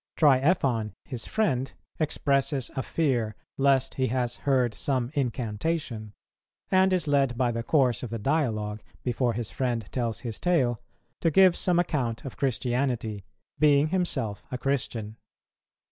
Triephon, his friend, expresses a fear lest he has heard some incantation, and is led by the course of the dialogue, before his friend tells his tale, to give some account of Christianity, being himself a Christian.